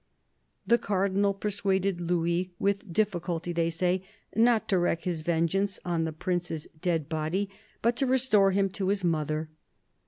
The Cardinal persuaded Louis — with difficulty, they say — not to wreak his vengeance on the Prince's dead body, but to restore him to his mother.